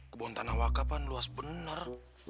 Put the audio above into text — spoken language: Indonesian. kebon tanah wakafan luas bener